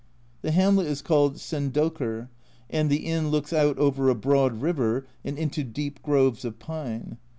The hamlet is called Sendocre, and the inn looks out over a broad river and into deep groves of pine.